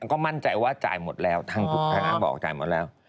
ก็มั่นใจว่าจ่ายหมดแล้วทางนั้นบอกจ่ายหมดแล้ว